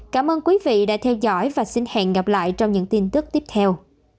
cảm ơn quý vị đã theo dõi và xin hẹn gặp lại trong những tin tức tiếp theo